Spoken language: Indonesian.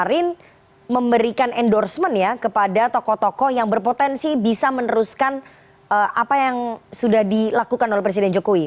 kemarin memberikan endorsement ya kepada tokoh tokoh yang berpotensi bisa meneruskan apa yang sudah dilakukan oleh presiden jokowi